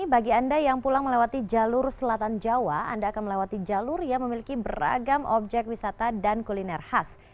bagi anda yang pulang melewati jalur selatan jawa anda akan melewati jalur yang memiliki beragam objek wisata dan kuliner khas